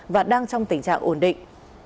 và đang trong tình trạng ổn định